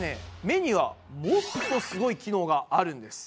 目にはもっとすごい機能があるんです。